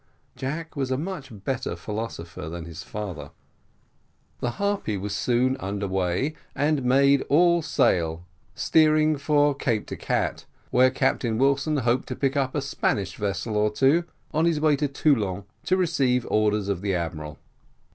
Jack was a much better philosopher than his father. The Harpy was soon under way, and made all sail, steering for Cape de Gatte, where Captain Wilson hoped to pick up a Spanish vessel or two, on his way to Toulon to receive the orders of the admiral.